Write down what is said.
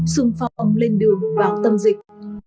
xung phong lên đường vào tâm dịch